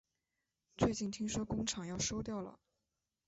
最近听说工厂要收掉了